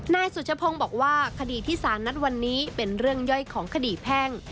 นายสุชพงศ์บอกว่าคดีที่สารนัดวันนี้เป็นเรื่องย่อยของคดีแพ่ง